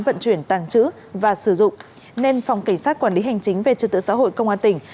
vận chuyển tàng trữ và sử dụng nên phòng cảnh sát quản lý hành chính về trật tự xã hội công an tỉnh